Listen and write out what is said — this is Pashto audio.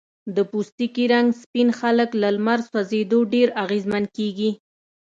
د پوستکي رنګ سپین خلک له لمر سوځېدو ډیر اغېزمن کېږي.